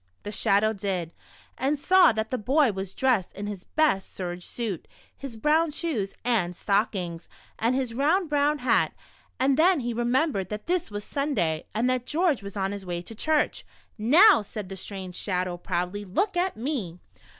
The Shadow did, and saw that the boy was dressed in his best serge suit, his brown shoes and stockings, and his round brown hat, and then he remembered that this was Sunday and that George Avas on his way to church. " Xow," said the strange Shadow, proudly, *' look at me."